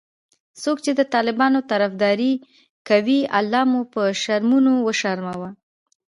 څوک چې د طالبانو طرفدارې کوي الله مو به شرمونو وشرموه😖